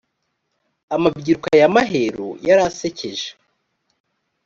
amabyiruka yamaheru yarasekeje.